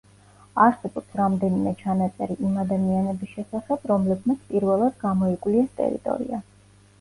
არსებობს რამდენიმე ჩანაწერი იმ ადამიანების შესახებ, რომლებმაც პირველად გამოიკვლიეს ტერიტორია.